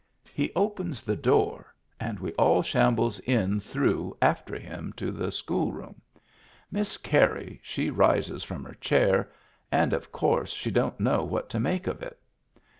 He opens the door and we all shambles in through after him to the school room. Miss Carey she rises from her chair, and of course she don*t know what to make of it.